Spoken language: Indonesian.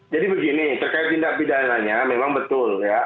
jadi begini terkait tindak pidananya memang betul ya